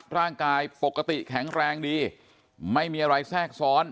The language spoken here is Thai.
ร่างกายปกติแข็งแรงดีไม่มีอะไรแทรกซ้อน